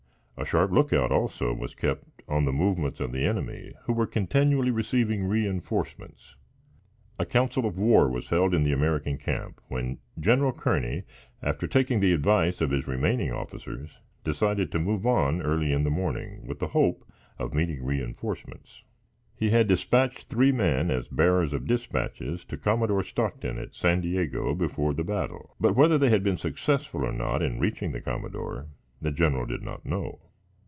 A sharp look out, also, was kept on the movements of the enemy, who were continually receiving reinforcements. A council of war was held in the American camp, when Gen. Kearney, after taking the advice of his remaining officers, decided to move on early in the morning, with the hope of meeting reinforcements. He had dispatched three men as bearers of dispatches to Commodore Stockton at San Diego before the battle; but, whether they had been successful, or not, in reaching the commodore, the general did not know.